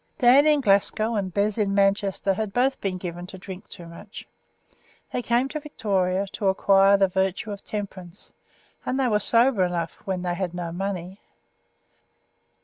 Dan in Glasgow and Bez in Manchester had both been given to drink too much. They came to Victoria to acquire the virtue of temperance, and they were sober enough when they had no money.